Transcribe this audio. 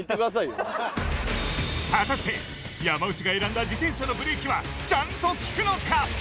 果たして山内が選んだ自転車のブレーキはちゃんと利くのか！？